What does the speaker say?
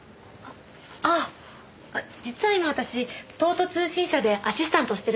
ああ実は今私東都通信社でアシスタントをしてるんです。